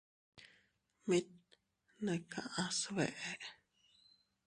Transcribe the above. Mit ne kaʼa sbeʼe.